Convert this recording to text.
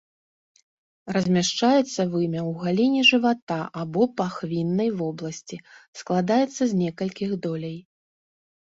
Размяшчаецца вымя ў галіне жывата або пахвіннай вобласці, складаецца з некалькіх доляй.